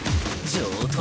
上等。